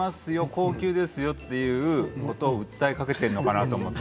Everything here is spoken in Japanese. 高級ですよっていうことを訴えかけているのかなと思って。